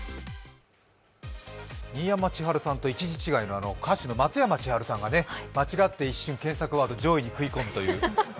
新山千春さんと１字違いの松山千春さんが間違って一瞬、検索ワード上位に食い込むっていう。